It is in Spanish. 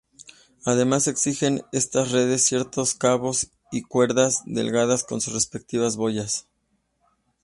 Además exigen estas redes ciertos cabos o cuerdas delgadas con sus respectivas boyas.